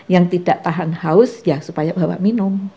yang tidak tahan haus ya supaya bawa minum